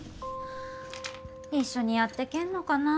一緒にやってけんのかな。